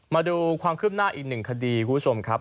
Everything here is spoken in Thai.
มาดูความคืบหน้าอีกหนึ่งคดีคุณผู้ชมครับ